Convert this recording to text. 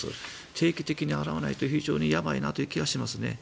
定期的に洗わないと非常にやばいなという気がしますね。